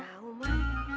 gak tau man